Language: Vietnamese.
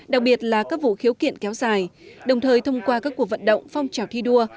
đặc biệt là các vụ khiếu kiện kéo dài đồng thời thông qua các cuộc vận động phong trào thi đua